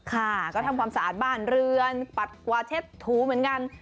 ค่ะก็ทำความสะอาดบ้านเรือนปัดกวาเช็ดถูเหมือนกัน